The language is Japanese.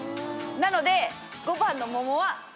なので５番のモモは。